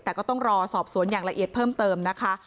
แต่ก็ต้องรอสอบสวนอย่างละเอียดเพิ่มเติมนะคะ